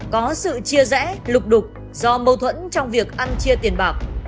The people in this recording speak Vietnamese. có sự chia rẽ lục đục do mâu thuẫn trong việc ăn chia tiền bạc